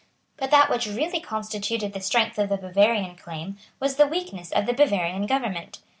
But that which really constituted the strength of the Bavarian claim was the weakness of the Bavarian government.